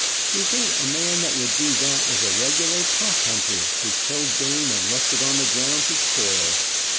He said a man that would do that was a regular pot hunter, who killed game and left it on the ground to spoil.